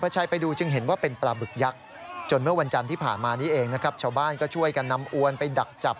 ชาวบ้านก็ช่วยกันนำอวนไปดักจับ